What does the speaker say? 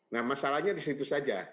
nah masalahnya di situ saja